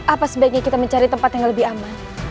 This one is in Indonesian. apa sebaiknya kita mencari tempat yang lebih aman